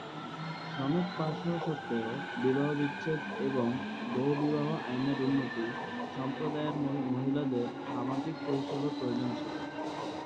সনদ পাস হওয়া সত্ত্বেও, বিবাহবিচ্ছেদ এবং বহুবিবাহ আইনের উন্নতি, সম্প্রদায়ের মহিলাদের সামাজিক পরিষেবার প্রয়োজন ছিল।